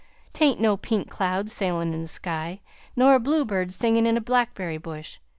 'T ain't no pink cloud sailin' in the sky, nor a bluebird singin' in a blackb'rry bush.